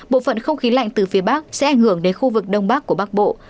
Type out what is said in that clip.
bộ phận không khí lạnh từ phía bắc sẽ ảnh hưởng đến khu vực đông bắc của bắc bộ